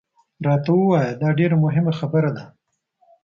راته ووایه، دا ډېره مهمه خبره ده.